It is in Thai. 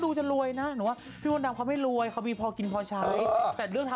หนูกลับบ้านมีคนถามว่าคุณพ่อดำมันจริงหรอ